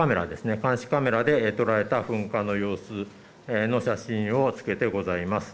監視カメラで捉えた噴火の様子の写真をつけてございます。